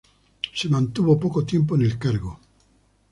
Se mantuvo poco tiempo en el cargo.